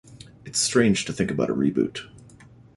It's strange to think about a reboot.